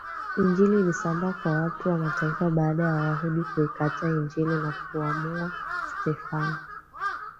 Injili ilisambaa kwa watu wa mataifa baada ya wayahudi kuikataa injili na kumuua Stefano